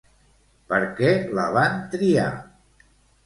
Per què la van triar?